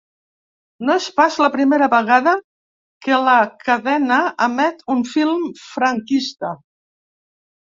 No és pas la primera vegada que la cadena emet un film franquista.